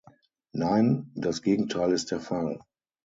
Nein, das Gegenteil ist der Fall!